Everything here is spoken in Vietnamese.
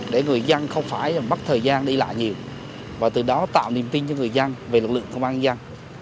để người dân không phải mất thời gian đi lại nhiều và từ đó tạo niềm tin cho người dân về lực lượng công an nhân dân